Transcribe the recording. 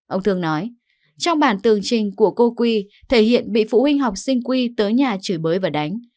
ông thường nói trong bản tường trình của cô quy thể hiện bị phụ huynh học sinh quy tới nhà chửi bới và đánh